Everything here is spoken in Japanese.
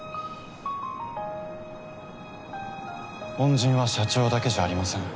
恩人は社長だけじゃありません。